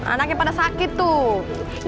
anaknya pada sakit tuh